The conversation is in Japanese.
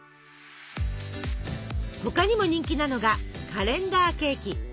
他にも人気なのがカレンダーケーキ。